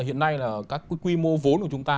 hiện nay là các cái quy mô vốn của chúng ta